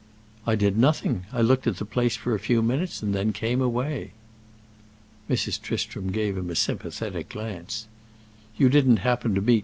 "I did nothing. I looked at the place for a few minutes and then came away." Mrs. Tristram gave him a sympathetic glance. "You didn't happen to meet M.